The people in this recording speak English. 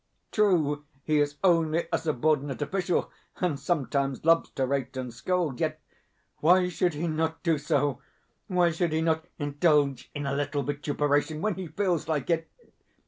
True, he is only a subordinate official, and sometimes loves to rate and scold; yet why should he not do so why should he not indulge in a little vituperation when he feels like it?